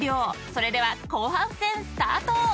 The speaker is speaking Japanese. ［それでは後半戦スタート！］